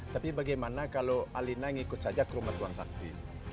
tapi bagaimana kalau alina ngikut saja ke rumah tuan sakti